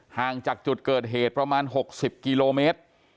ห่างจากจุดเกิดเหตุประมาณ๖๐กิโลเมตร